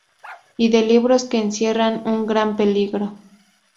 Y de libros que encierran un gran peligro...